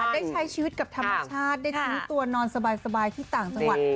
ได้ใช้ชีวิตกับธรรมชาติได้ทิ้งตัวนอนสบายที่ต่างจังหวัด